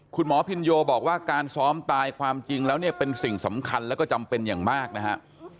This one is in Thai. คุณหมอพินโยบอกว่าการซ้อมตายความจริงแล้วเนี่ยเป็นสิ่งสำคัญแล้วก็จำเป็นอย่างมากนะฮะ